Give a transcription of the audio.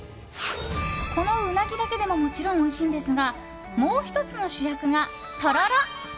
このウナギだけでももちろんおいしいんですがもう１つの主役が、とろろ。